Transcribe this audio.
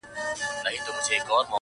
نجلۍ د سخت درد سره مخ کيږي او چيغي وهي-